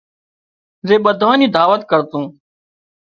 زي ٻڌانئي ني دعوت ڪرتون